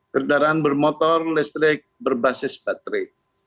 kendaraan bermotor listrik berbasis baterai